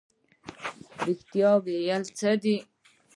رښتیا ویل څه دي؟